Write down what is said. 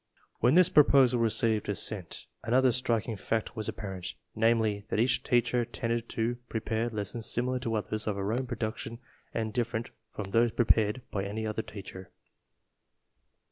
When this proposal received assent, another striking fact was apparent; namely, that each teacher tended to prepare lessons similar to others of her own production and dif ferent from those prepared by any other teacher.